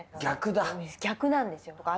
逆だ逆なんですよ